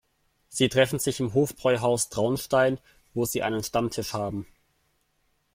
Sie treffen sich im Hofbräuhaus Traunstein, wo sie einen Stammtisch haben.